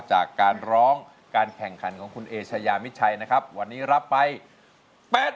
จากการร้องการแข่งขันของคุณเอเชยามิชัยนะครับวันนี้รับไป๘๐๐๐๐บาทครับ